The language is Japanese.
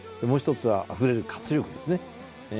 もう１つは溢れる活力ですね。